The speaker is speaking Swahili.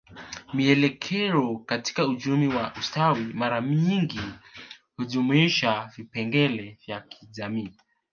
Mielekeo katika uchumi wa ustawi mara nyingi hujumuisha vipengele vya kijamii